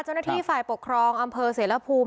เจ้าหน้าที่ฝ่ายปกครองอำเภอเศรษฐ์ระพุม